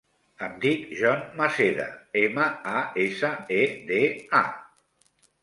Em dic Jon Maseda: ema, a, essa, e, de, a.